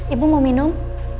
ibu mau minum